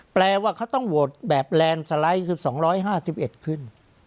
แปลว่าเขาต้องโหวตแบบแลนด์สไลด์คือ๒๕๑ขึ้น